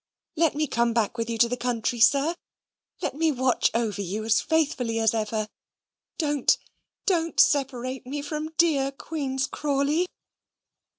"Let me come back with you to the country, sir! Let me watch over you as faithfully as ever! Don't, don't separate me from dear Queen's Crawley!"